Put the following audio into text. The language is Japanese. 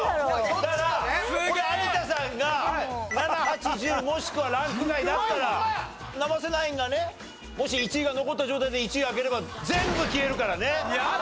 だからこれ有田さんが７８１０もしくはランク外だったら生瀬ナインがねもし１位が残った状態で１位開ければ全部消えるからね。